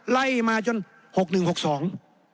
ไล่มาจนหกหนึ่งหกสอง